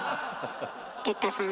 哲太さん